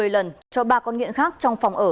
một mươi lần cho ba con nghiện khác trong phòng ở